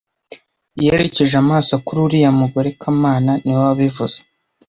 Yerekeje amaso kuri uriya mugore kamana niwe wabivuze